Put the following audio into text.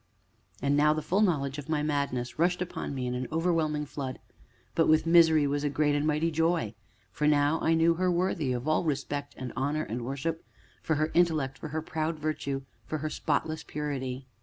And now the full knowledge of my madness rushed upon me in an overwhelming flood; but with misery was a great and mighty joy, for now I knew her worthy of all respect and honor and worship, for her intellect, for her proud virtue, and for her spotless purity.